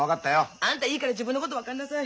あんたはいいから自分のこと分かりなさい。